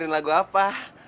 lo dengerin lagu apa